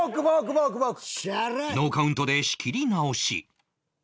ノーカウントで仕切り直し